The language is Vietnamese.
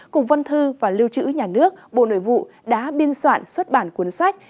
cục văn thư và liêu chữ nhà nước bộ nội vụ đã biên soạn xuất bản cuốn sách